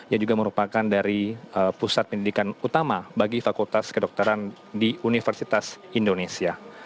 ia juga merupakan dari pusat pendidikan utama bagi fakultas kedokteran di universitas indonesia